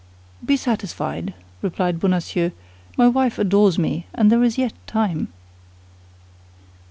"Be satisfied," replied Bonacieux; "my wife adores me, and there is yet time."